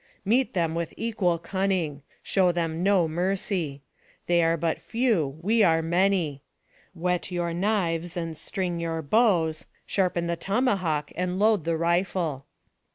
" Meet them with equal cunning. Show them no mercy. They are but few, we are many. Whet your knives and string your bows; sharpen the tomahawk and load the rifle.